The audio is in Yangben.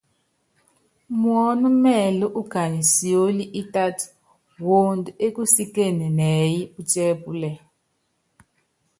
Muɔ́n kɛɛl úkany sióli ítát woond é kusíken nɛɛyɛ́ putiɛ́ púlɛl.